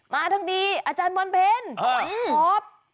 มาทั้งดีอาจารย์วันเพล็อป